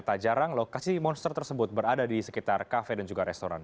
tak jarang lokasi monster tersebut berada di sekitar kafe dan juga restoran